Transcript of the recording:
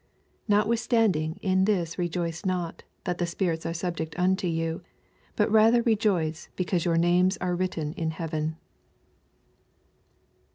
20 Notwithstanding in this rejoice not, that the spirits are snbject nnto you ; but rather rejoice, because your names are written m heaven.